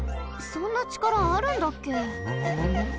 そんなちからあるんだっけ？